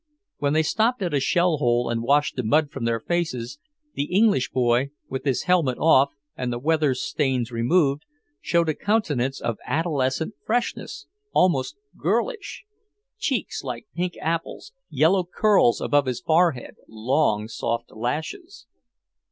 When they stopped at a shell hole and washed the mud from their faces, the English boy, with his helmet off and the weather stains removed, showed a countenance of adolescent freshness, almost girlish; cheeks like pink apples, yellow curls above his forehead, long, soft lashes.